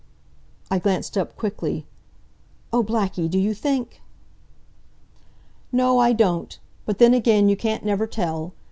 I glanced up, quickly. "Oh, Blackie, do you think " "No, I don't. But then again, you can't never tell.